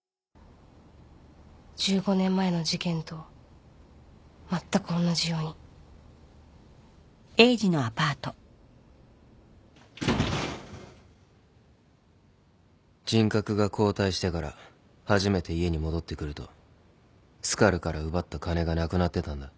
１５年前の事件とまったくおんなじように人格が交代してから初めて家に戻ってくるとスカルから奪った金がなくなってたんだ。